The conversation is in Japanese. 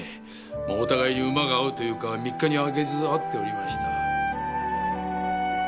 まあお互い馬が合うというか三日に空けず会っておりました。